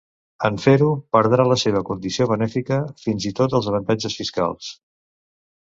En fer-ho, perdrà la seva condició benèfica, fins i tot els avantatges fiscals.